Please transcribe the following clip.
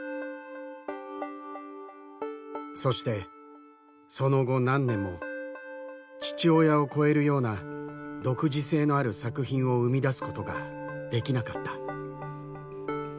そしてその後何年も父親を超えるような独自性のある作品を生み出すことができなかった。